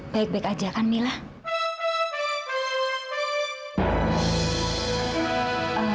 baik baik aja kan mila